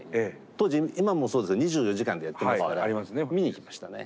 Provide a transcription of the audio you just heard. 当時今もそうですけど２４時間でやってますから見に行きましたね。